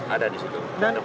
ada di situ